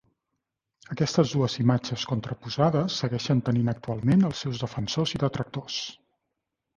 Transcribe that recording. Aquestes dues imatges contraposades segueixen tenint actualment els seus defensors i detractors.